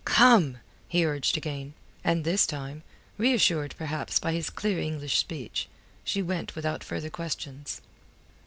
"Come," he urged again. And this time, reassured perhaps by his clear English speech, she went without further questions.